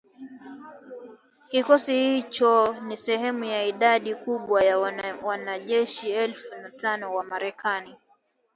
Kikosi hicho ni sehemu ya idadi kubwa ya wanajeshi elfu tano wa Marekani